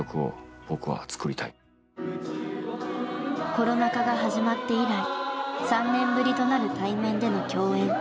コロナ禍が始まって以来３年ぶりとなる対面での共演。